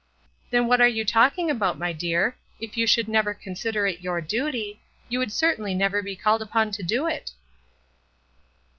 "Then what are you talking about, my dear? If you should never consider it your duty, you would certainly never be called upon to do it."